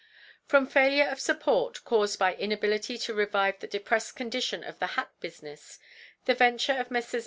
From failure of support, caused by inability to revive the depressed condition of the hat business, the venture of Messrs.